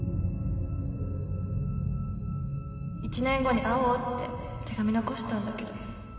１年後に会おうって手紙残したんだけど